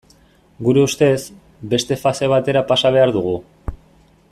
Gure ustez, beste fase batera pasa behar dugu.